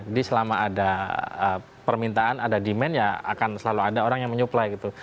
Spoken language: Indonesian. jadi selama ada permintaan ada demand ya akan selalu ada orang yang menyuplai gitu